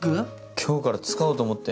今日から使おうと思って。